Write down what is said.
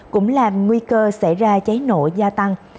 cũng làm nguy cơ xảy ra cháy nổ gia tăng